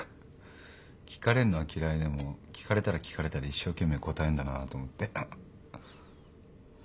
聞かれるのは嫌いでも聞かれたら聞かれたで一生懸命答えんだなあと思って。